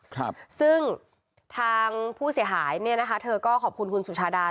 ครับซึ่งทางผู้เสียหายเนี่ยนะคะเธอก็ขอบคุณคุณสุชาดา